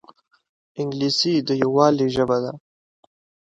انګلیسي د یووالي ژبه ده